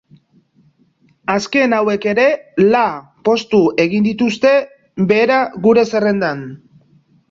Azken hauek ere, la postu egin dituzte behera gure zerrendan.